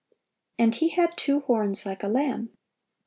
(742) "And he had two horns like a lamb."